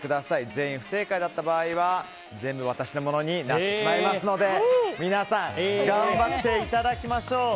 全員不正解だった場合は全部私のものになってしまいますので皆さん頑張っていただきましょう。